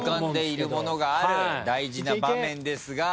大事な場面ですが。